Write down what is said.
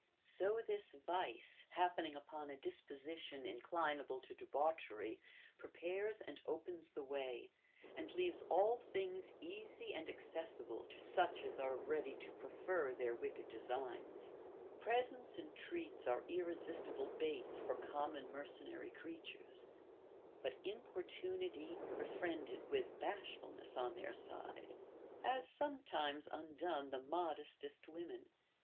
t So this vice, happening upon a disposition inclinable to debauchery, prepares and opens the way, and leaves all things easy and accessible to such as are ready to prefer their Λvicked designs. Presents and treats are irresistible baits for common mercenary creatures ; but importunity, * Eurip. Bellerophon, Frag. 311. t• Sophocles, Frag. 772. 64 BASHFULNESS. befriended with bashfiilness on their side, has sometimes undone the modestest women.